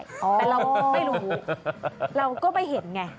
แต่เราก็ไม่รู้เราก็ไม่เห็นไง